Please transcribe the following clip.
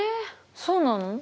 そうなの？